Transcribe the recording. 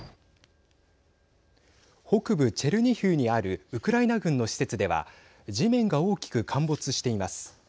北部チェルニヒウにあるウクライナ軍の施設では地面が大きく陥没しています。